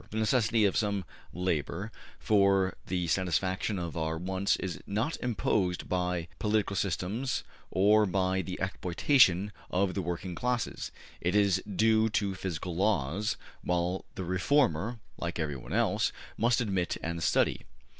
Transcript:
The necessity of SOME labor for the satisfaction of our wants is not imposed by political systems or by the exploitation of the working classes; it is due to physical laws, which the reformer, like everyone else, must admit and study.